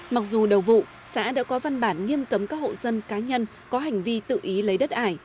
mặc dù đầu vụ xã đã có văn bản nghiêm cấm các hộ dân cá nhân có hành vi tự ý lấy đất ải